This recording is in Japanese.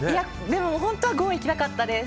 でも本当は５いきたかったです。